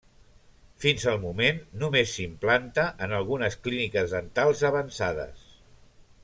Fins al moment només s'implanta en algunes clíniques dentals avançades.